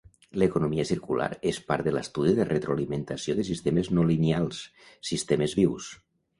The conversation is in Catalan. L'economia circular és part de l'estudi de retroalimentació de sistemes no lineals, sistemes vius.